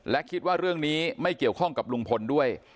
และคิดว่าเรื่องนี้ไม่เกี่ยวข้องกับลุงพลด้วย